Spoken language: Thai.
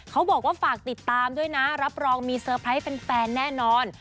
เขาบอกว่าฝากติดตามด้วยนะรับรองมีเตอร์ไพรส์แฟนแน่นอน